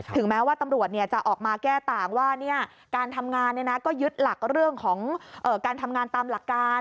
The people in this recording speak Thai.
แม้ว่าตำรวจจะออกมาแก้ต่างว่าการทำงานก็ยึดหลักเรื่องของการทำงานตามหลักการ